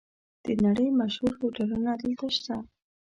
د نړۍ مشهور هوټلونه دلته شته.